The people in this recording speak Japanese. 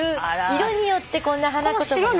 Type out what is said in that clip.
色によってこんな花言葉が。